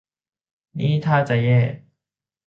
นี่ท่าจะแย่